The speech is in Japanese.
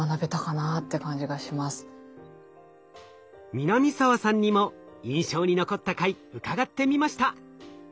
南沢さんにも印象に残った回伺ってみました！